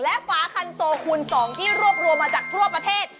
และฟ้าคันโซคูณ๒ที่รวบรวมมาจากทั่วประเทศ